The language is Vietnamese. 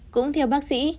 cũng theo bác sĩ